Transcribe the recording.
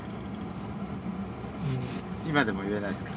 今でも言えないですか？